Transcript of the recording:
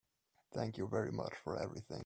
Thank you very much for everything.